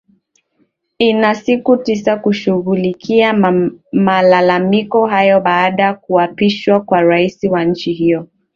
ina siku tisa kushughulikia malalamiko hayo baada kuapishwa kwa rais wa nchi hiyo